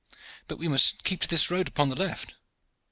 But we must keep to this road upon the left."